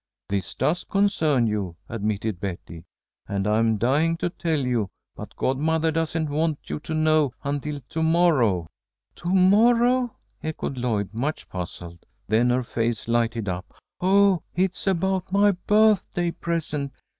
"This does concern you," admitted Betty, "and I'm dying to tell you, but godmother doesn't want you to know until to morrow." "To morrow," echoed Lloyd, much puzzled. Then her face lighted up. "Oh, it's about my birthday present.